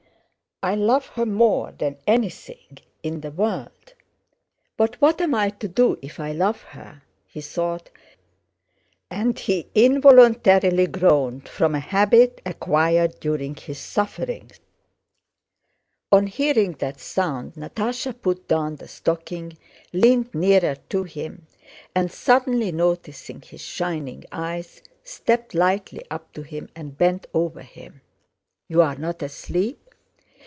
I love her more than anything in the world! But what am I to do if I love her?" he thought, and he involuntarily groaned, from a habit acquired during his sufferings. On hearing that sound Natásha put down the stocking, leaned nearer to him, and suddenly, noticing his shining eyes, stepped lightly up to him and bent over him. "You are not asleep?"